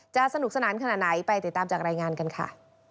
สนุกสนานขนาดไหนไปติดตามจากรายงานกันค่ะ